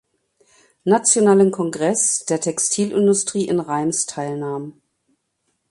Nationalen Kongress der Textilindustrie in Reims teilnahm.